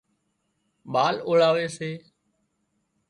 ٻال اوۯاوي سي